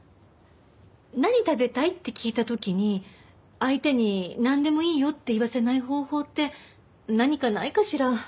何食べたい？って聞いた時に相手になんでもいいよって言わせない方法って何かないかしら？